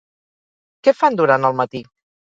Què fan durant el matí?